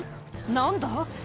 何だ？